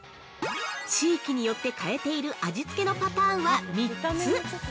◆地域によって変えている味付けのパターンは３つ。